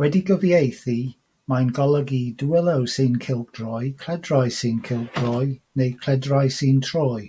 Wedi'i gyfieithu, mae'n golygu “dwylo sy'n cylchdroi”, “cledrau sy'n cylchdroi”, neu “cledrau sy'n troi”.